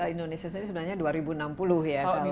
indonesia sendiri sebenarnya dua ribu enam puluh ya